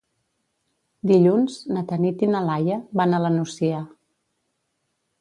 Dilluns na Tanit i na Laia van a la Nucia.